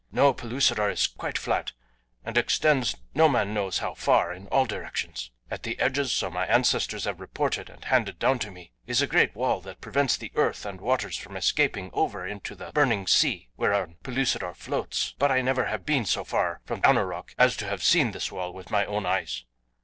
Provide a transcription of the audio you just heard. No, Pellucidar is quite flat and extends no man knows how far in all directions. At the edges, so my ancestors have reported and handed down to me, is a great wall that prevents the earth and waters from escaping over into the burning sea whereon Pellucidar floats; but I never have been so far from Anoroc as to have seen this wall with my own eyes.